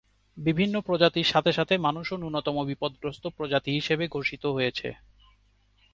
বিভিন্ন প্রজাতির সাথে সাথে মানুষও ন্যূনতম বিপদগ্রস্ত প্রজাতি হিসেবে ঘোষিত হয়েছে।